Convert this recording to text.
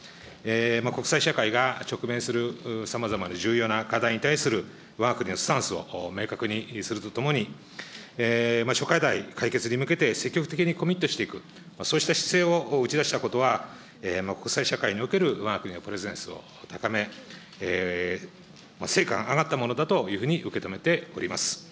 国際社会が直面するさまざまな重要な課題に対するわが国のスタンスを明確にするとともに、諸課題解決に向けて、積極的にコミットしていく、そうした姿勢を打ち出したことは、国際社会におけるわが国のプレゼンスを高め、成果が上がったものだと受け止めております。